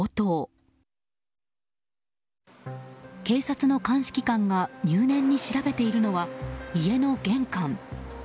警察の監視機関が入念に調べているのは家の玄関。